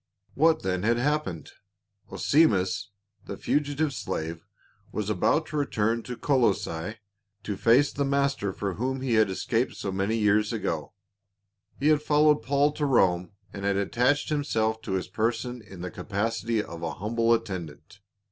What then had happened ? Onesimus, the fugitive slave, was about to return to Colossae, to face tb.c ''HEADY TO BE OFFERED.'' Ail master from whom he had escaped so many years ago. He had followed Paul to Rome and had attached him self to his person in the capacity of a humble attend ant.